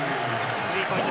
スリーポイント